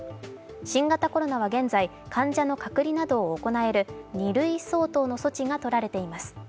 新型コロナは現在、患者の隔離などを行える２類相当の措置がとられています。